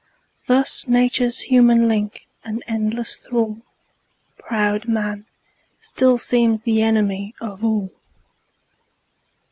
Thus nature's human link and endless thrall, Proud man, still seems the enemy of all.